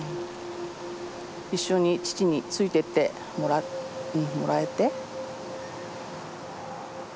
一緒に父についてってもらえて。